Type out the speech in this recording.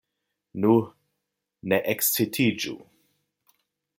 Nu, ne ekscitiĝu!